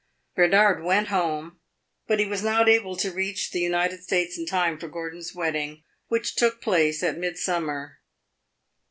Bernard went home, but he was not able to reach the United States in time for Gordon's wedding, which took place at midsummer.